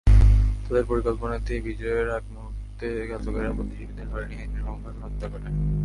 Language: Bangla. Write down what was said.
তাদের পরিকল্পনাতেই বিজয়ের আগমুহূর্তে ঘাতকেরা বুদ্ধিজীবীদের ধরে নিয়ে নির্মমভাবে হত্যা করে।